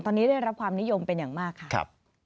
ตอนนี้ได้รับความนิยมเป็นอย่างมากค่ะ